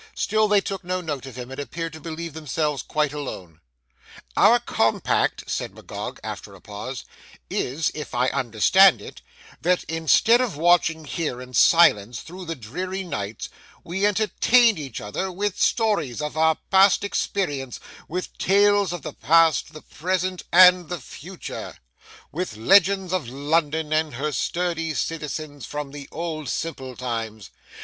Still they took no note of him, and appeared to believe themselves quite alone. 'Our compact,' said Magog after a pause, 'is, if I understand it, that, instead of watching here in silence through the dreary nights, we entertain each other with stories of our past experience; with tales of the past, the present, and the future; with legends of London and her sturdy citizens from the old simple times.